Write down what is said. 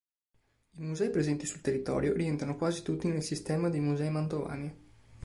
I musei presenti sul territorio rientrano quasi tutti nel Sistema dei Musei Mantovani.